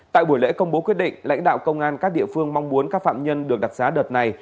tại buổi lễ công bố quyết định lãnh đạo công an các địa phương mong muốn các phạm nhân được đặt giá đợt này